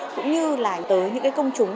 cũng như là tới những công chúng